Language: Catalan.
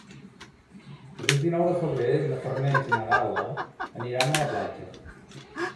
El vint-i-nou de febrer na Farners i na Gal·la aniran a la platja.